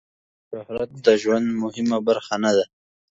مال او شهرت د ژوند مهمه برخه نه دي.